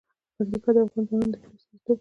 پکتیکا د افغان ځوانانو د هیلو استازیتوب کوي.